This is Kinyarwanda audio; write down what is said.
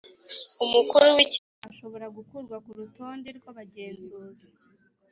umukuru wikigo ashobora gukurwa ku rutonde rw abagenzuzi